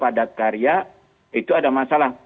yang ekspor pada karya itu ada masalah